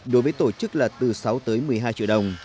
đối với tổ chức là từ sáu tới một mươi hai triệu đồng